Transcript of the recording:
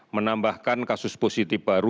menambahkan kasus positif baru